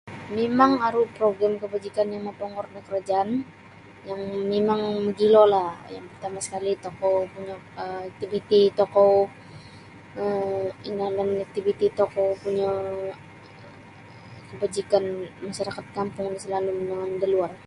Mimang aru progrim kabajikan yang moponggor da karajaan yang mimang mogilolah yang partama' sekali' tokou ompunyo um iktiviti tokou um inalan da iktiviti tokou ompunyo kabajikan masarakat kampung da salalum jangan da luar.